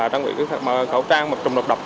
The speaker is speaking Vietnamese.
trang bị cầu trang trùng độc độc